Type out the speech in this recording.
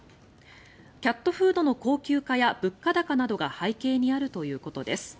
キャットフードの高級化や物価高などが背景にあるということです。